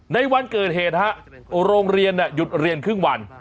ในวันเกิดเหตุฮะโรงเรียนหยุดเรียนครึ่งวัน